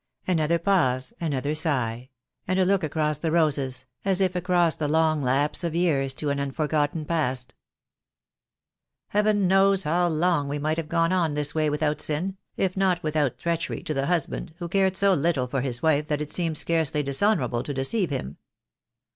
Another pause, another sigh, and a look across the roses, as if across the long lapse of years to an unfor gotten past. "Heaven knows how long we might have gone on in this way, without sin, if not without treachery to the hus band, who cared so little for his wife that it seemed scarcely dishonourable to deceive him.